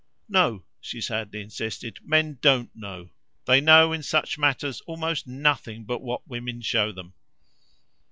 "No," she sadly insisted "men DON'T know. They know in such matters almost nothing but what women show them."